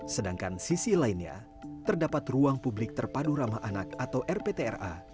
sedangkan sisi lainnya terdapat ruang publik terpadu ramah anak atau rptra